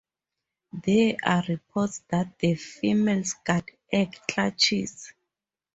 There are reports that the females guard egg clutches.